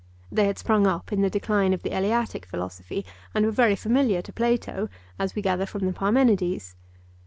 They had sprung up in the decline of the Eleatic philosophy and were very familiar to Plato, as we gather from the Parmenides.